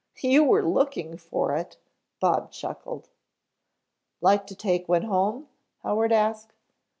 "You were looking for it," Bob chuckled. "Like to take one home?" Howard asked.